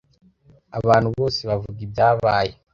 Abantu bose bavuga ibyabaye.